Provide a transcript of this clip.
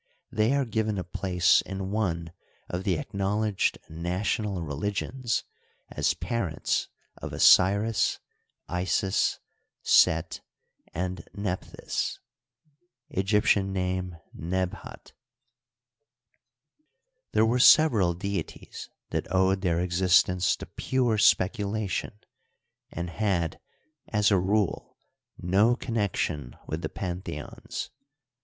They are g^ven a place in one of the ac knowledged national religions as parents of Osiris, Isis, Set, and Nephthys (Egyptian name, Nebhat), There were several deities that owed their existence to pure speculation and had, as a rule, no connection with the pantheons.